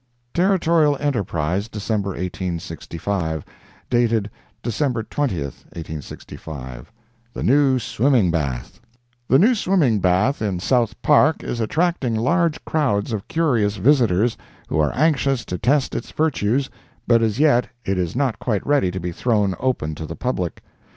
Territorial Enterprise, December 1865 [dated December 20, 1865] THE NEW SWIMMING BATH The new swimming bath in South Park is attracting large crowds of curious visitors, who are anxious to test its virtues, but as yet it is not quite ready to be thrown open to the public.